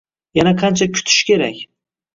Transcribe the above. Yana qancha kitish kerak?